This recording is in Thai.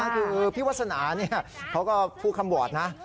ถือพี่วัสนานี่นะเขาก็พูดคำบรวดนะ